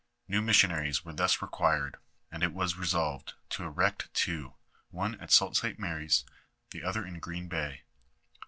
New missions were thus required, and it was resolved to erect two, one at Sault St. Mary's, the other in Green Bay.